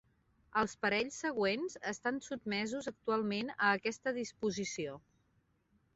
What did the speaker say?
Els parells següents estan sotmesos actualment a aquesta disposició.